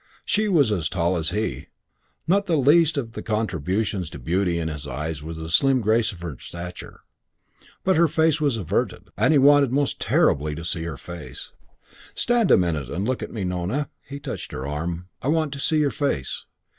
She was as tall as he. Not least of the contributions to her beauty in his eyes was the slim grace of her stature. But her face was averted; and he wanted most terribly to see her face. "Stand a minute and look at me, Nona." He touched her arm. "I want to see your face."